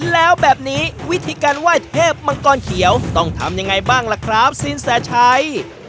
แล้วแบบนี้วิธีการไหว้เทพมังกรเขียวต้องทำยังไงบ้างล่ะครับสินแสชัย